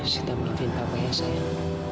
sita melukai papa ya sayang